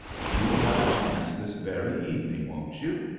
You will have a chance this very evening, won't you?